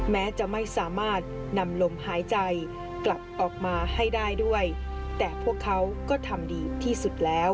แม้จะไม่สามารถนำลมหายใจกลับออกมาให้ได้ด้วยแต่พวกเขาก็ทำดีที่สุดแล้ว